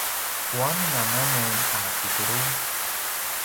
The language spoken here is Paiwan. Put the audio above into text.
puamin anga mun a kitulu?